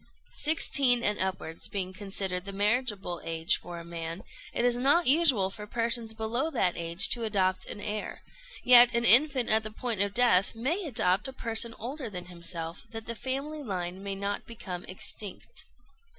Sixteen and upwards being considered the marriageable age for a man, it is not usual for persons below that age to adopt an heir; yet an infant at the point of death may adopt a person older than himself, that the family line may not become extinct.